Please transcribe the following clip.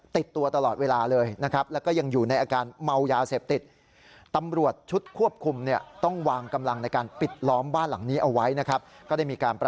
ติดตัวตลอดเวลาและก็ยังอยู่ในอาการเมายาเสพติด